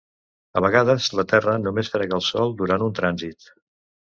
A vegades la Terra només frega el Sol durant un trànsit.